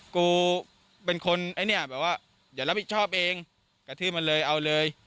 กูเป็นคนไอ้เนี่ยแบบว่าอย่ารับผิดชอบเองกระทืบมันเลยเอาเลย